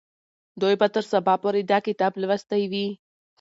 دوی به تر سبا پورې دا کتاب لوستی وي.